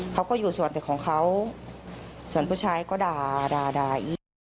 เขาก็อยู่ส่วนตึกของเขาส่วนผู้ชายก็ด่าด่าอีก